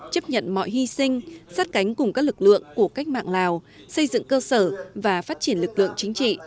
chấp nhận mọi hy sinh sát cánh cùng các lực lượng của cách mạng lào xây dựng cơ sở và phát triển lực lượng chính trị